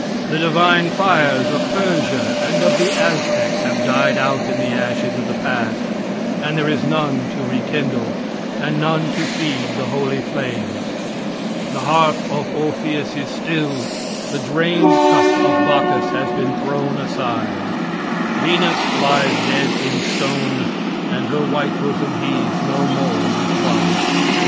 The divine fires of Persia and of the Aztecs have died out in the ashes of the past, and there is none to rekindle, and none to feed the holy flames. The harp of Orpheus is still; the drained cup of Bacchus has been thrown aside; Venus lies dead in stone, and her white bosom heaves no more with love.